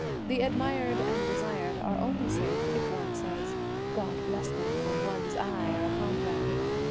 The ad mired and desired are only safe if one says ' God bless them ' when one's eyes are upon them.